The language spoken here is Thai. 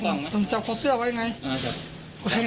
ของเจ้าตายไปเลยพี่ไหนรู้หว่า